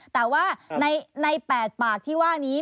แต่ว่าใน๘ปากที่ว่านี้